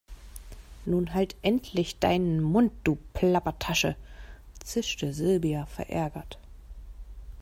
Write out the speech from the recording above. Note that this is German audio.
Nun halt endlich deinen Mund, du Plappertasche, zischte Silvia verärgert.